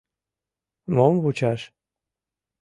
Мом вучаш?..